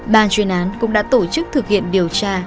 ban chuyên án cũng đã tổ chức thực hiện điều tra